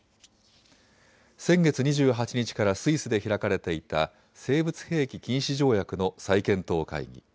先月２８日からスイスで開かれていた生物兵器禁止条約の再検討会議。